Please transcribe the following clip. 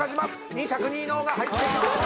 ２着に伊野尾が入ってきました！